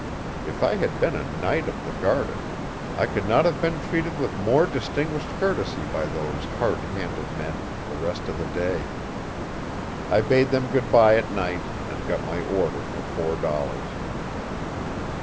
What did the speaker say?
If I had been a knight of the garter I could not have been treated with more distinguished courtesy by those hard handed men the rest of the day. I bade them goodbye at night and got my order for four dollars.